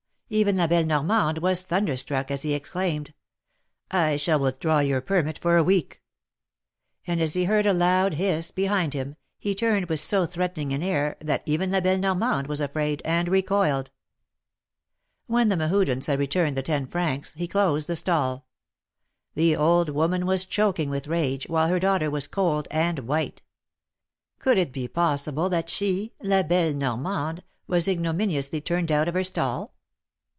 Even La belle Nor mande w^as thunderstruck as he exclaimed :" I shall withdraw your permit for a week !" And as he heard a loud hiss behind him, he turned with so threatening an air, that even La belle Normande was afraid, and recoiled. When the Mehudens had returned the ten francs, he closed the stall. The old woman was choking with rage, while her daughter was cold and white. Could it be possible that she. La belle Normande, was ignominously turned out of her stall